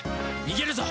逃げるぞ！